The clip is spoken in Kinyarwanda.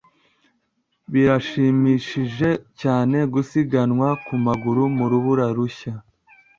Birashimishije cyane gusiganwa ku maguru mu rubura rushya.